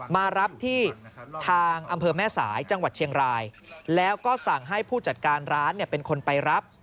มารับที่ทางอำเภอแม่สายจังหวัดเชียงรายแล้วก็สั่งให้ผู้จัดการร้านเป็นคนไปรับ